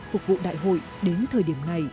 phục vụ đại hội đến thời điểm này